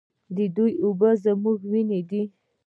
د دې اوبه زموږ وینه ده